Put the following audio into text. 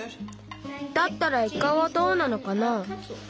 だったらイカはどうなのかな？